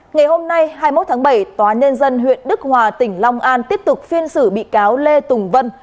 ngày hôm nay hai mươi một tháng bảy tòa nhân dân huyện đức hòa tỉnh long an tiếp tục phiên xử bị cáo lê tùng vân